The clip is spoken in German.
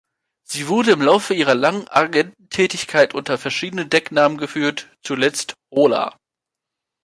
Sie wurde im Laufe ihrer langen Agententätigkeit unter verschiedenen Decknamen geführt, zuletzt „Hola“.